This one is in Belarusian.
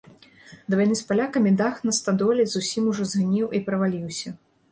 Да вайны з палякамі дах на стадоле зусім ужо згніў і праваліўся.